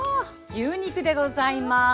牛肉でございます。